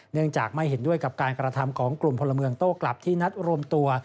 เนื่องจากไม่เห็นด้วยกับการกระทำของกลุ่มพลเมืองโต้กลับที่นัดรวมตัว